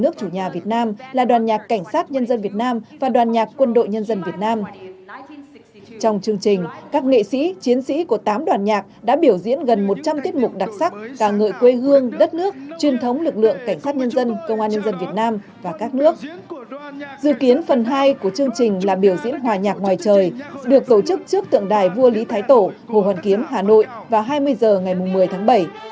chương trình phần hai của chương trình là biểu diễn hòa nhạc ngoài trời được tổ chức trước tượng đài vua lý thái tổ hồ hoàn kiếm hà nội vào hai mươi h ngày một mươi tháng bảy